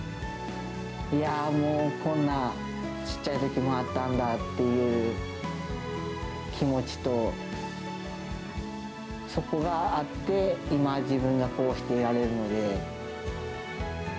いやあ、もうこんなちっちゃいときもあったんだっていう気持ちと、そこがあって、今、自分がこうしていられるので。